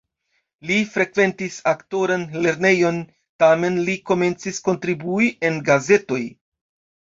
Li frekventis aktoran lernejon, tamen li komencis kontribui en gazetoj.